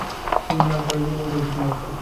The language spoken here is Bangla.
তোমরা আর দিন-কয়েকের অতিথি মাত্র।